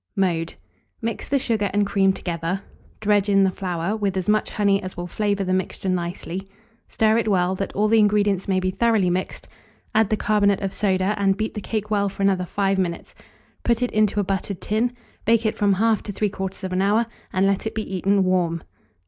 Mode. Mix the sugar and cream together; dredge in the flour, with as much honey as will flavour the mixture nicely; stir it well, that all the ingredients may be thoroughly mixed; add the carbonate of soda, and beat the cake well for another 5 minutes; put it into a buttered tin, bake it from 1/2 to 3/4 hour, and let it be eaten warm.